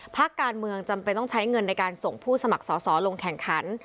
พักการเมืองจำเป็นต้องใช้เงินในการส่งผู้สมัครสอสอลงแข่งขัน